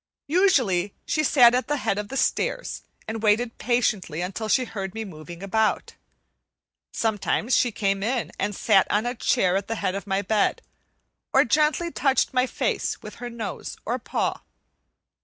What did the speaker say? Usually she sat at the head of the stairs and waited patiently until she heard me moving about. Sometimes she came in and sat on a chair at the head of my bed, or gently touched my face with her nose or paw.